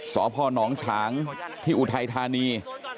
ศพ่อน้องฉางที่อุทัยธานี